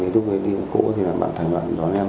đúng với điện cổ thì bạn thành bạn đón em